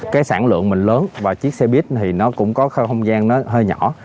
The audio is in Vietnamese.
cái sản lượng mình lớn và chiếc xe buýt thì nó cũng có không gian nó hơi nhỏ